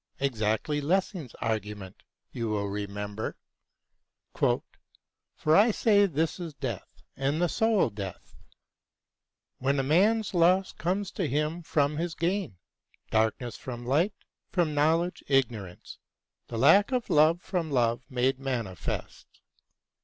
* Exactly Lessing's argument, you will remember. For I say, this is death and the sole death, When a man's loss comes to him from his gain, Darkness from light, from knowledge ignorance, And lack of love from love made manifest.